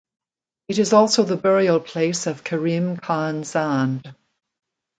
It is also the burial place of Karim Khan Zand.